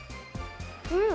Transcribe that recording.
うん！